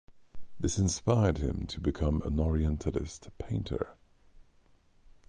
This inspired him to become an Orientalist painter.